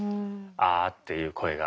「あー」っていう声が。